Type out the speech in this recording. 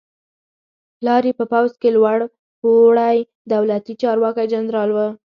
پلار یې په پوځ کې لوړ پوړی دولتي چارواکی جنرال و.